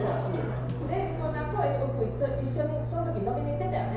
礼二君なんかはよく一緒にその時飲みに行ってたよね？